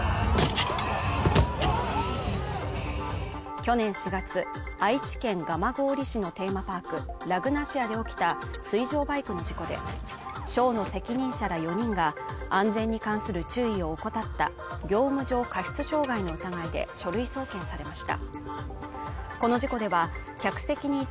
去年４月愛知県蒲郡市のテーマパークラグナシアで起きた水上バイクの事故でショーの責任者ら４人が安全に関する注意を怠った業務上過失傷害の疑いで書類送検されました